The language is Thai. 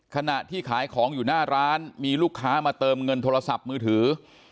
ขณะที่ขายของอยู่หน้าร้านมีลูกค้ามาเติมเงินโทรศัพท์มือถือ